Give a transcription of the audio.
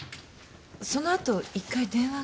そのあと１回電話が。